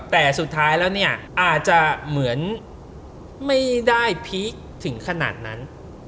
แต่สุดท้ายอาจจะเหมือนไม่ได้พีคถึงขนาดนั้น